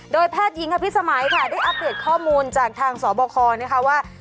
แพทย์หญิงอภิษมัยค่ะได้อัปเดตข้อมูลจากทางสบคนะคะว่า